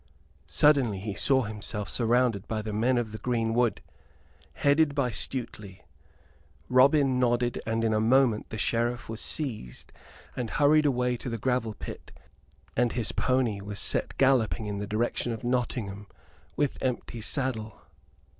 Suddenly he saw himself surrounded by the men of the greenwood, headed by Stuteley. Robin nodded, and in a moment the Sheriff was seized and hurried away to the gravel pit, and his pony was set galloping in the direction of Nottingham with empty saddle.